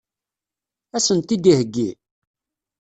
Ad sent-t-id-iheggi?